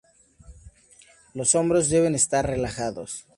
Los hombros deben estar relajados.